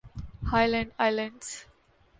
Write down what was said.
Aland islands